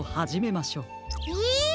え！？